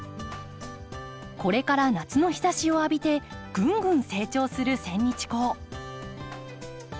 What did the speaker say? これから夏の日ざしを浴びてぐんぐん成長するセンニチコウ。